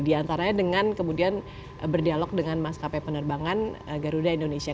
diantaranya dengan kemudian berdialog dengan maskapai penerbangan garuda indonesia